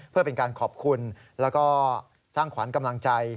เพื่อเป็นการขอบคุณแล้วก็สร้างขวัญกำลังใจ